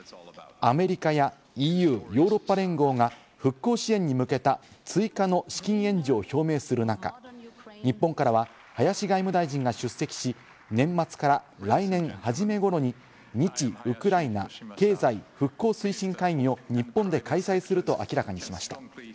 アメリカやＥＵ＝ヨーロッパ連合が復興支援に向けた追加の資金援助を表明する中、日本からは林外務大臣が出席し、年末から来年初め頃に日ウクライナ経済復興推進会議を日本で開催すると明らかにしました。